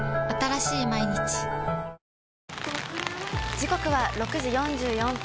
時刻は６時４４分。